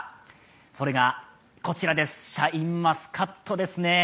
それがこちらです、シャインマスカットですね。